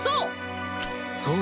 そう！